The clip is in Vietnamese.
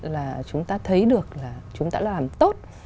là chúng ta thấy được là chúng ta làm tốt